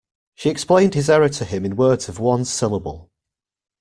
She explained his error to him in words of one syllable.